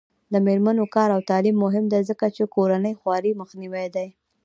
د میرمنو کار او تعلیم مهم دی ځکه چې کورنۍ خوارۍ مخنیوی دی.